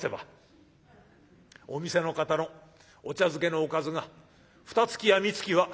お店の方のお茶漬けのおかずがふたつきやみつきは」。